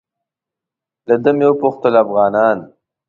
له ده مې وپوښتل افغانان.